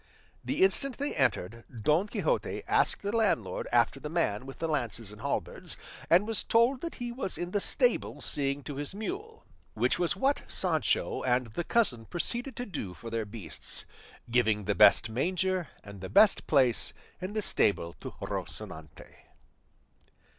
The instant they entered Don Quixote asked the landlord after the man with the lances and halberds, and was told that he was in the stable seeing to his mule; which was what Sancho and the cousin proceeded to do for their beasts, giving the best manger and the best place in the stable to Rocinante.